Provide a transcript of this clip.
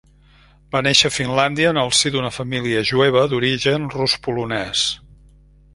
Va néixer a Finlàndia en el si d'una família jueva d'origen rus-polonès.